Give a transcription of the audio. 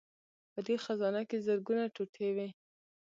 په دې خزانه کې زرګونه ټوټې وې